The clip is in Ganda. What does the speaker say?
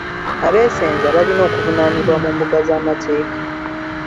Abeesenza balina okuvunaanibwa mu mbuga z'amateeka.